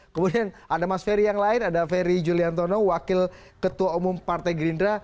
kemudian ada mas ferry yang lain ada ferry juliantono wakil ketua umum partai gerindra